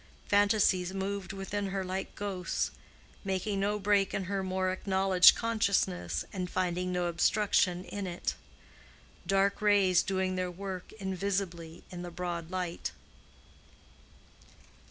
Fantasies moved within her like ghosts, making no break in her more acknowledged consciousness and finding no obstruction in it: dark rays doing their work invisibly in the broad light.